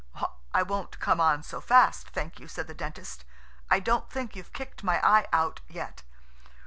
"I won't come on so fast, thank you," said the Dentist. "I don't think you've kicked my eye out yet."